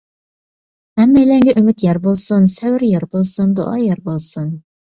ھەممەيلەنگە ئۈمىد يار بولسۇن، سەۋر يار بولسۇن، دۇئا يار بولسۇن!